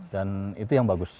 dan itu yang bagus